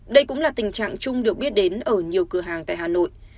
đây cũng là tình trạng chung được biết đến ở nhiều cửa hàng tại hà nội